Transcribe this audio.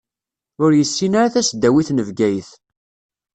Ur yessin ara tasdawit n Bgayet.